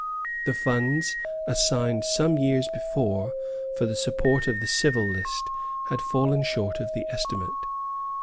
The funds assigned some years before for the support of the civil list had fallen short of the estimate.